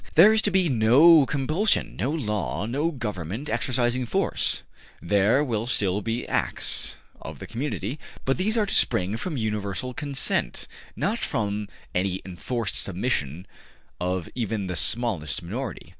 There is to be no compulsion, no law, no government exercising force; there will still be acts of the community, but these are to spring from universal consent, not from any enforced submission of even the smallest minority.